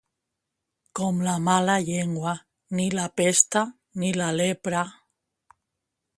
Com la mala llengua, ni la pesta ni la lepra.